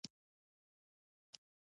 کلتور د افغانانو د ژوند طرز اغېزمنوي.